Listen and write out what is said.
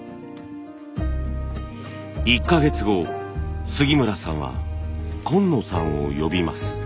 １か月後杉村さんは今野さんを呼びます。